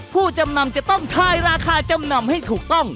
ผู้จำนำจะต้องทายราคาจำนำให้ถูกต้อง